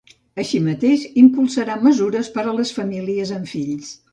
Així mateix, impulsarà mesures per a les famílies amb fills.